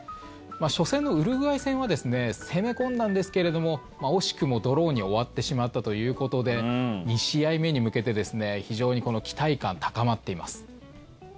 初戦のウルグアイ戦は攻め込んだんですけれども惜しくもドローに終わってしまったということで２試合目に向けて非常に期待感高まっています。